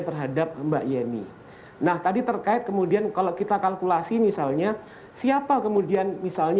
terhadap mbak yemi nah tadi terkait kemudian kalau kita kalkulasi misalnya siapa kemudian misalnya